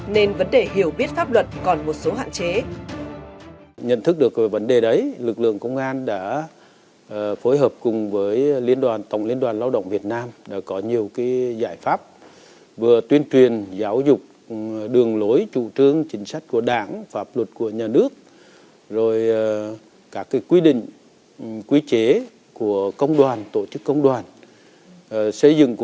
nên vấn đề hiểu biết pháp luật còn một số hạn chế